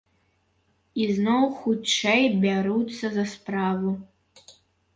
І зноў хутчэй бяруся за справу.